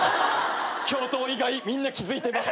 教頭以外みんな気付いてます。